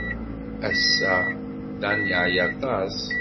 Ass-a, Dan yeɛya aṭas.